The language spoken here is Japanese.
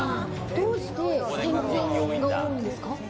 どうして転勤が多いんですか？